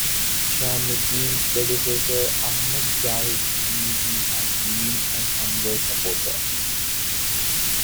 Hishammudin's predecessor, Ahmad Zahid Hamidi, had been an Anwar supporter.